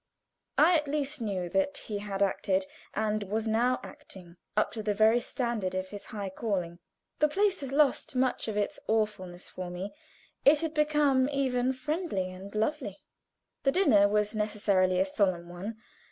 I at least knew that he had acted, and was now acting, up to the very standard of his high calling. The place has lost much of its awfulness for me; it had become even friendly and lovely. The dinner was necessarily a solemn one.